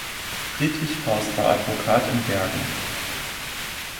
Friedrich Faust war Advokat in Bergen.